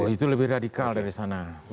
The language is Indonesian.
itu lebih radikal dari sana